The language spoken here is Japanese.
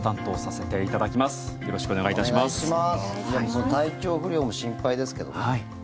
その体調不良も心配ですけどね。